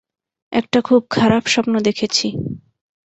একটা খুব খারাপ স্বপ্ন দেখেছি।